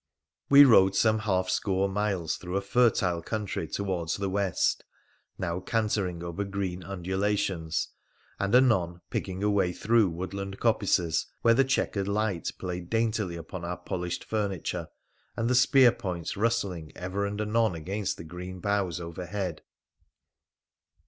We rode some half score miles through a fertile country towards the west, now cantering over green undulations, and anon picking a way through woodland coppices, where the chequered light played daintily upon our polished furniture, and the spear points rustling ever and anon against the green boughs overhead.